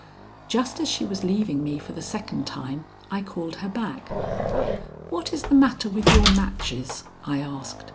Just as she was leaving me for the second time I called her back. "What is the matter with your matches?" I asked.